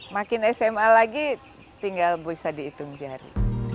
makin sma lagi tinggal bisa dihitung jari